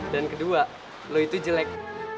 dan kedua lo itu jelek